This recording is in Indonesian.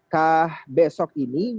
kah besok ini